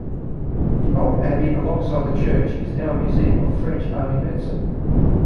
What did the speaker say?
The old abbey alongside the church is now a museum of French army medicine.